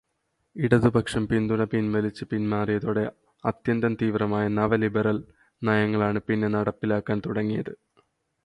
ഇടതുപക്ഷം പിന്തുണ പിൻവലിച്ചു പിന്മാറിയതോടെ അത്യന്തം തീവ്രമായ നവ-ലിബെറൽ നയങ്ങളാണ് പിന്നെ നടപ്പിലാക്കാൻ തുടങ്ങിയത്.